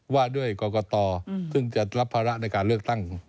ว่าด้วยกรกตซึ่งจะรับภาระในการเลือกตั้ง